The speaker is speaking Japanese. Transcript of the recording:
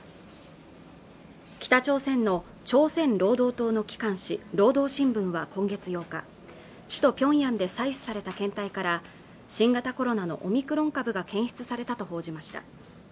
北朝鮮の朝鮮労働党の機関紙「労働新聞」は今月８日首都ピョンヤンで採取された検体から新型コロナのオミクロン株が検出されたと報じました